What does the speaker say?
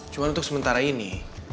cuma untuk sementara ini